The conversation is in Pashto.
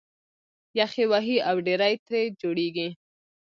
یخ یې وهي او ډېرۍ ترې جوړېږي